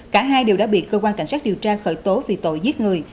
cả hai đều đã bị cơ quan cảnh sát điều tra khởi tố vì tội giết người